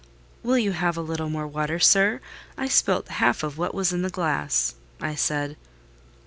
"Will you have a little more water, sir? I spilt half of what was in the glass," I said.